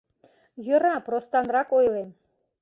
— Йӧра, простанрак ойлем...